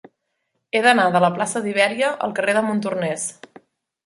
He d'anar de la plaça d'Ibèria al carrer de Montornès.